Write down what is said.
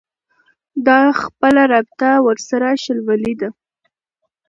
ده خپله رابطه ورسره شلولې ده